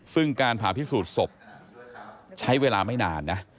ซึ่งการผ่าพิสูจน์ศพใช้เวลาไม่นานนะ